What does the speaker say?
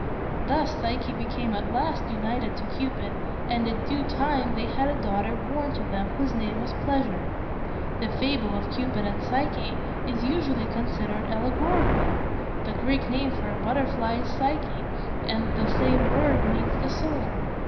Thus Psyche became at last united to Cupid, and in due time they had a daughter born to them whose name was Pleasure. The fable of Cupid and Psyche is usually considered allegorical. The Greek name for a butterfly is Psyche, and the same word means the soul.